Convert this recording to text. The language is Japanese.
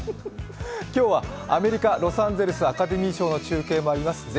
今日はアメリカ・ロサンゼルスアカデミー賞の中継もあります。